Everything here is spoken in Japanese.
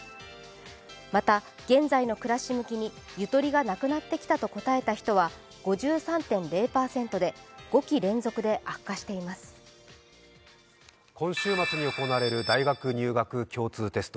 また、現在の暮らし向きにゆとりがなくなってきたと答えた人は５３．０％で５期連続で悪化しています今週末に行われる大学入学共通テスト。